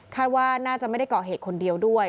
ว่าน่าจะไม่ได้ก่อเหตุคนเดียวด้วย